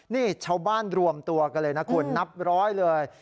นี่ชาวบ้านรวมตัวกันเลยนะคุณนับร้อยเลย